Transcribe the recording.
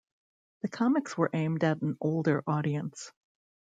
The comics were aimed at an older audience.